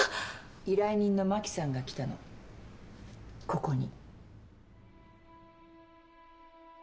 依頼人の真紀さんが来たのここに。